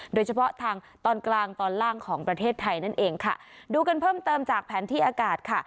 โดยเฉพาะทางตอนกลางตอนล่างของประเทศไทยนั่นเองค่ะดูกันเพิ่มเติมจากแผนที่อากาศค่ะ